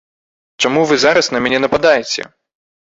Чаму вы зараз на мяне нападаеце?